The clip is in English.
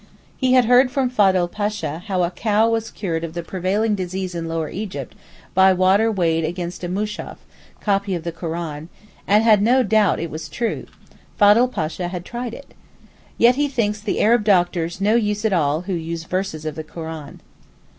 ') He had heard from Fodl Pasha how a cow was cured of the prevailing disease in Lower Egypt by water weighed against a Mushaf (copy of the Koran), and had no doubt it was true, Fodl Pasha had tried it. Yet he thinks the Arab doctors no use at all who use verses of the Koran.